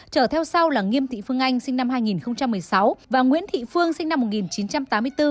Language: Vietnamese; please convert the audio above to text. trở theo sau là nghiêm thị phương anh sinh năm hai nghìn một mươi sáu và nguyễn thị phương sinh năm một nghìn chín trăm tám mươi bốn